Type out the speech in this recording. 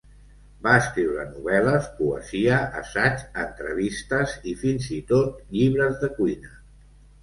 Va escriure novel·les, poesia, assaig, entrevistes i fins i tot llibres de cuina.